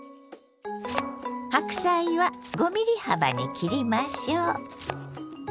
白菜は５ｍｍ幅に切りましょう。